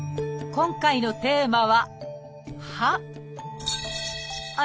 今回のテーマは「歯」。